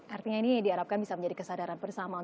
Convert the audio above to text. artinya ini diharapkan bisa menjadi kesadaran bersama